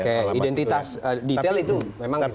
oke identitas detail itu memang tidak